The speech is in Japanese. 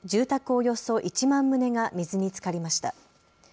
およそ１万棟が水につかりました。